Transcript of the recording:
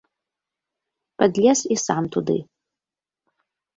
Падлез і сам туды.